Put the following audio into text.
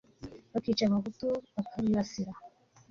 bakica abahutu bakabibasira